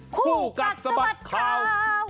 คู่กัดสะบัดข่าว